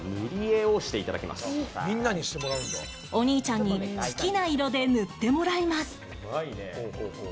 お兄ちゃんに好きな色で塗ってもらいます。